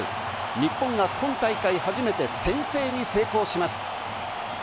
日本が今大会、初めて先制に成功します。